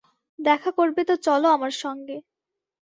দেখা করবে তো চলো আমার সঙ্গে।